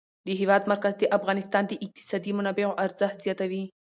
د هېواد مرکز د افغانستان د اقتصادي منابعو ارزښت زیاتوي.